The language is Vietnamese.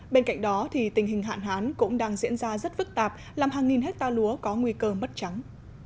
bên cạnh đó tình hình hạn hán cũng đang diễn ra rất phức tạp làm hàng nghìn hectare lúa có nguy cơ mất trắng